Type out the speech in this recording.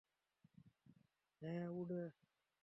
হ্যাঁ, উড়ে।